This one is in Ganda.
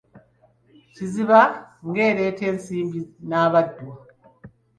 Kiziba, ng'ereeta ensimbi n'abaddu.